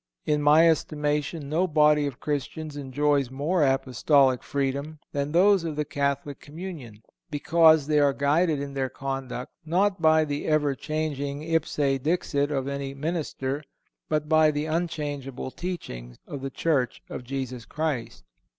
In my estimation, no body of Christians enjoys more Apostolic freedom than those of the Catholic communion, because they are guided in their conduct, not by the ever changing ipse dixit of any minister, but by the unchangeable teachings of the Church of Jesus Christ.